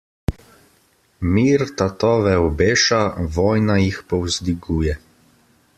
Mir tatove obeša, vojna jih povzdiguje.